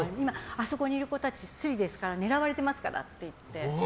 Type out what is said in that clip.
あそこにいる子たちスリですから狙われてますからって言って。